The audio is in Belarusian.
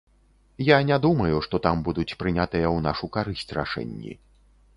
Я не думаю, што там будуць прынятыя ў нашу карысць рашэнні.